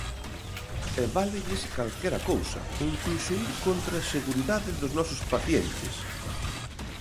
E válelles calquera cousa, incluso ir contra a seguridade dos nosos pacientes.